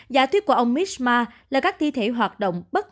giả thuyết của ông mismar là các ti thể hoạt động bất